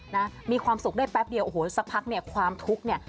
นะมีความสุขได้แป๊บเดียวโอ้โหสักพักเนี่ยความทุกข์เนี่ย